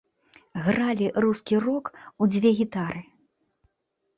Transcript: Гралі рускі рок у дзве гітары.